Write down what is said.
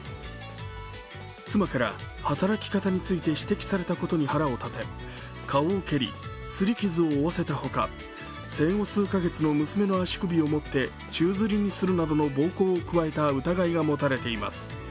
妻から、働き方について指摘されたことに腹を立て顔を蹴り、すり傷を負わせた他、生後数カ月の娘の足首を持って宙づりにするなどの暴行を加えた疑いが持たれています。